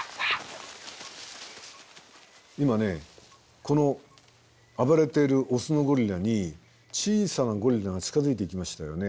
今この暴れているオスのゴリラに小さなゴリラが近づいてきましたよね。